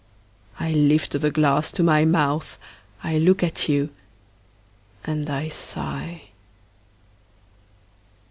I lift the glass to my mouth, I look at you, and I sigh.